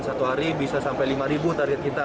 satu hari bisa sampai lima target kita